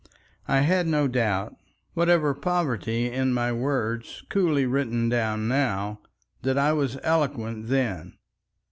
I had no doubt—whatever poverty in my words, coolly written down now—that I was eloquent then.